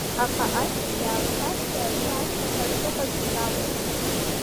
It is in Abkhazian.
Аха ашьҭахь иааԥсазшәа аҩны ашьҭахьҟа шыҟаз инавалеит.